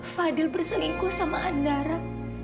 fadil berselingkuh sama andara